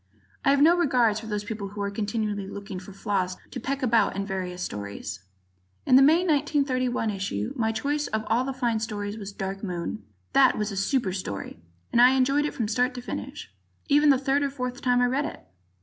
I have no regard for those people who are continually looking for flaws to peck about in various stories. In the May, 1931, issue my choice of all the fine stories was "Dark Moon." That was a super story and I enjoyed it from start to finish, even the third or fourth time I read it.